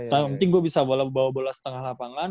tapi yang penting gue bisa bawa bola setengah lapangan